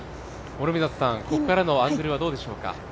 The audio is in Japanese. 諸見里さん、ここからのアングルはどうでしょうか。